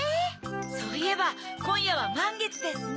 そういえばこんやはまんげつですね。